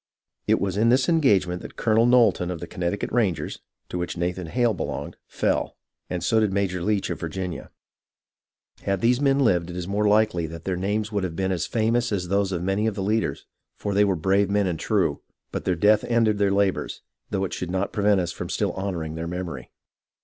It was in this engagement that Colonel Knowlton of the Connecticut Rangers, to which Nathan Hale belonged, fell, and so did Major Leitch of Virginia. Had these men lived, it is more than likely that their names would have been as famous as those of many of the leaders, for they were brave men and true ; but death ended their labours, though it should not prevent us from still honouring their memory.